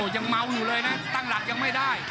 ยังเมาอยู่เลยนะตั้งหลักยังไม่ได้